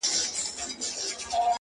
یا درویش سي یا سایل سي یاکاروان سي,